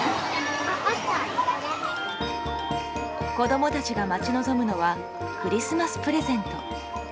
子供たちが待ち望むのはクリスマスプレゼント。